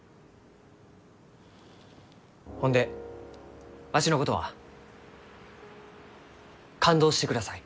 ほんでわしのことは勘当してください。